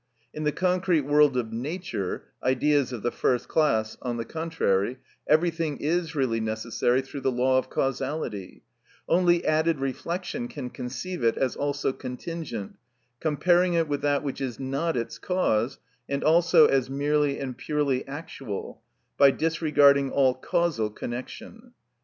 In the concrete world of nature (ideas of the first class), on the contrary, everything is really necessary through the law of causality; only added reflection can conceive it as also contingent, comparing it with that which is not its cause, and also as merely and purely actual, by disregarding all causal connection.